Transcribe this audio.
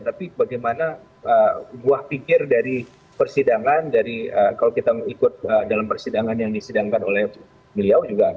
tapi bagaimana buah pikir dari persidangan dari kalau kita ikut dalam persidangan yang disidangkan oleh beliau juga